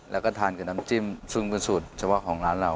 แล้วก็ทานกับน้ำจิ้มซึ่งเป็นสูตรเฉพาะของร้านเรา